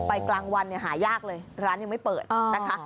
กลางวันเนี่ยหายากเลยร้านยังไม่เปิดนะคะ